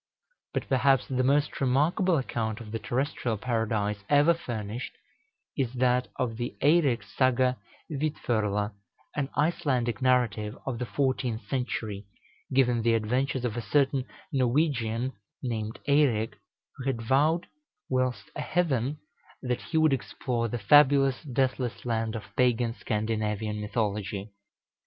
But perhaps the most remarkable account of the terrestrial Paradise ever furnished, is that of the "Eireks Saga Vídförla," an Icelandic narrative of the fourteenth century, giving the adventures of a certain Norwegian, named Eirek, who had vowed, whilst a heathen, that he would explore the fabulous Deathless Land of pagan Scandinavian mythology.